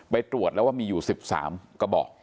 ไปตรวจแล้วว่ามีอยู่๑๓กระบอก